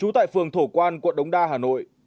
tại phường thổ quan quận đống đa hà nội